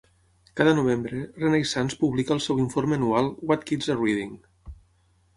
Cada novembre, Renaissance publica el seu informe anual "What Kids Are Reading".